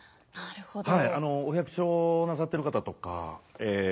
お百姓なさってる方とかえ